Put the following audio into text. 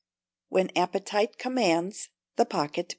[WHEN APPETITE COMMANDS, THE POCKET PAYS.